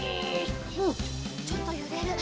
おっちょっとゆれる。